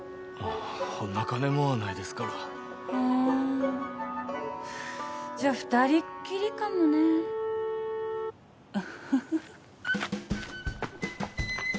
ほんな金もないですからふんじゃ二人っきりかもねウッフフフフ